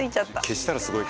消したらすごい。